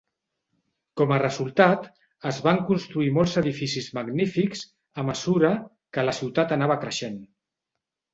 Com a resultat, es van construir molts edificis magnífics a mesura que la ciutat anava creixent.